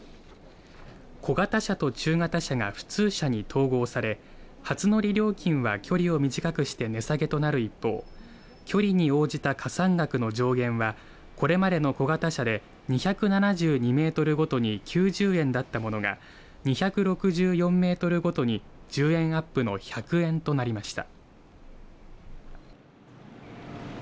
小型車と中型車が普通車に統合され初乗り料金は距離を短くして値下げとなる一方距離に応じた加算額の上限はこれまでの小型車で２７２メートルごとに９０円だったものが２６４メートルごとに１０円アップの１００円となりました。